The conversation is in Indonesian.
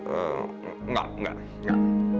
eee enggak enggak enggak